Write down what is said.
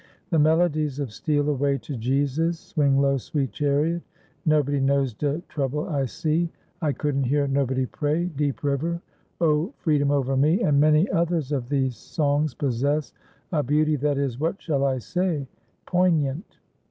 The melodies of "Steal Away to Jesus," "Swing Low Sweet Chariot," "Nobody Knows de Trouble I See," "I Couldn't Hear Nobody Pray," "Deep River," "O, Freedom Over Me," and many others of these songs possess a beauty that is what shall I say? poignant.